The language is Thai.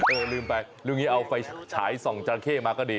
ลืมไปเรื่องนี้เอาไฟฉายส่องจราเข้มาก็ดี